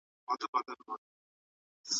که ته د مور او پلار له نشتون سره مخ يې.